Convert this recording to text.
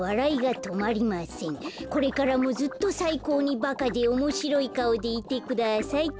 これからもずっとさいこうにバカでおもしろいかおでいてください」っと。